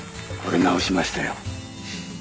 惚れ直しましたよ。